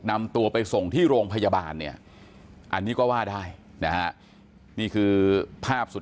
นำตัวไปส่งที่โรงพยาบาลเนี่ยอันนี้ก็ว่าได้นะฮะนี่คือภาพสุด